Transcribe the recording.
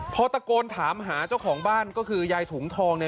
พอตะโกนถามหาเจ้าของบ้านก็คือยายถุงทอง